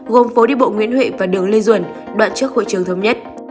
gồm phố đi bộ nguyễn huệ và đường lê duẩn đoạn trước hội trường thống nhất